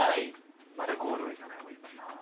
まだゴール行かない方がいいもんな。